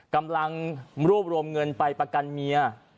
กำลังรวบรวมเงินไปประกันเมีย